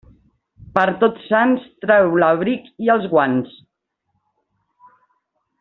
Per Tots Sants, trau l'abric i els guants.